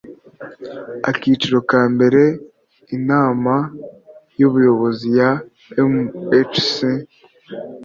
Akiciro ka mbere Inama y Ubuyobozi ya MHC